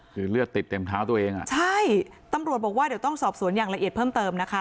คือเลือดติดเต็มเท้าตัวเองอ่ะใช่ตำรวจบอกว่าเดี๋ยวต้องสอบสวนอย่างละเอียดเพิ่มเติมนะคะ